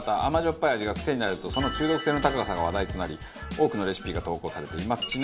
甘じょっぱい味がクセになるとその中毒性の高さが話題となり多くのレシピが投稿されています。